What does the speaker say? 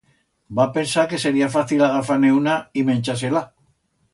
Va pensar que sería fácil agafar-ne una y menchar-se-la.